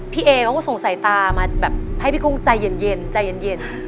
พี่เอเขาก็ส่งสายตามาแบบให้พี่กุ้งใจเย็นใจเย็น